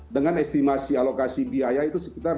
dengan estimasi alokasi biaya itu sekitar tiga puluh lima